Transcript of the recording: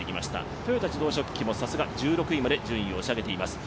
豊田自動織機もさすが、１６位まで順位を押し上げています。